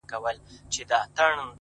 • د خدای ساتنه ,